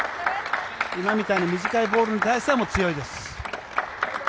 今みたいに短いボールに対しては強いです。